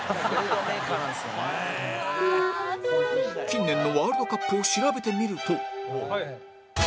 近年のワールドカップを調べてみると